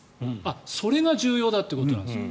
それが重要だということですか。